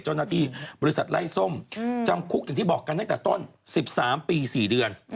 เจ้าหน้าที่บริษัทไล่ส้มจำคุกอย่างที่บอกกันตั้งแต่ต้น๑๓ปี๔เดือน